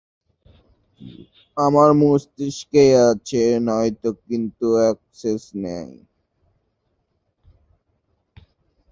আমার মস্তিষ্কেই আছে হয়তো, কিন্তু একসেস নাই।